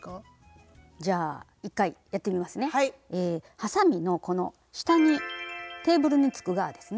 はさみのこの下にテーブルにつく側ですね